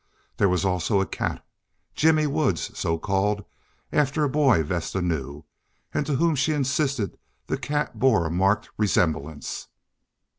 There was also a cat, Jimmy Woods, so called after a boy Vesta knew, and to whom she insisted the cat bore a marked resemblance.